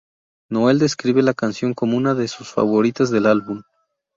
Noel describe la canción como una de sus favoritas del álbum.